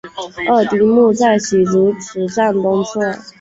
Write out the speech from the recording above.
二丁目在洗足池站东侧。